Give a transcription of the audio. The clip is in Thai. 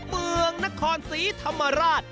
เมืองนครศรีธรรมราช